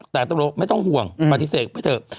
แต่ต้องรู้ไม่ต้องห่วงมาทิเศษไปเถอะ